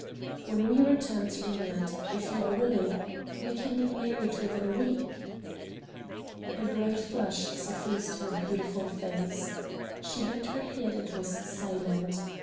"When we return to England, if you are willing, we can be married within a week." A bright flush suffused her beautiful face. She bent her head and was silent.